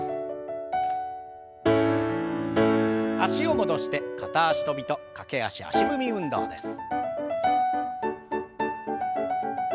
脚を戻して片足跳びと駆け足足踏み運動です。